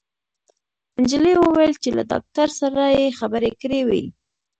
انجلۍ وويل چې له ډاکټر سره يې خبرې کړې وې